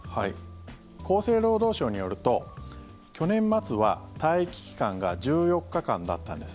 厚生労働省によると去年末は待機期間が１４日間だったんです。